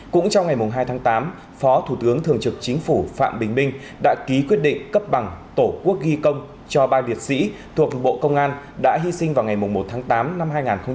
cũng trong ngày hai tháng tám phó thủ tướng thường trực chính phủ phạm bình minh đã ký quyết định cấp bằng tổ quốc ghi công cho ba liệt sĩ thuộc bộ công an đã hy sinh vào ngày một tháng tám năm hai nghìn hai mươi ba